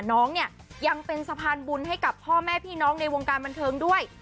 น้องเนี่ยยังเป็นสะพานบุญให้กับพ่อแม่พี่น้องในวงการบันเทิงด้วย